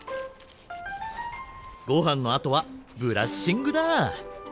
ごはんのあとはブラッシングだ。